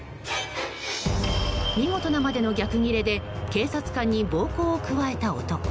見事なまでの逆ギレで警察官に暴行を加えた男。